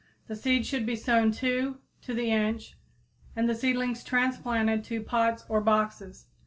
The seeds should be sown two to the inch and the seedlings transplanted to pots or boxes.